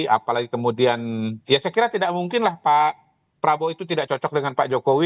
apalagi kemudian ya saya kira tidak mungkin lah pak prabowo itu tidak cocok dengan pak jokowi